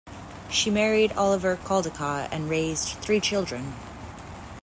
She married Oliver Caldecott and raised three children.